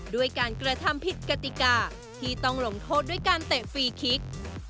ด้วยการกระทำผิดกติกาที่ต้องลงโทษด้วยการเตะฟรีคิก